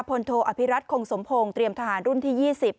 โทอภิรัตคงสมพงศ์เตรียมทหารรุ่นที่๒๐